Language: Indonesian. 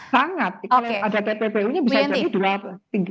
sangat kalau ada pppu nya bisa jadi dua kali